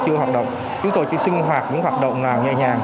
chúng tôi chỉ sinh hoạt những hoạt động nào nhẹ nhàng